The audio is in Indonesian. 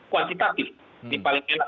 kuantitatif di paling enak